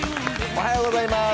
おはようございます。